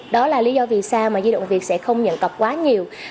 đó là lý do vì sao di đồng việt sẽ không nhận cọc quá nhiều